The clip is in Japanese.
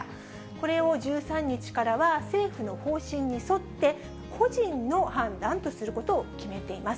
これを１３日からは、政府の方針に沿って、個人の判断とすることを決めています。